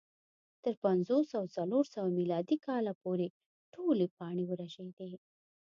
تر پنځوس او څلور سوه میلادي کاله پورې ټولې پاڼې ورژېدې